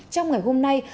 trong ngày hôm nay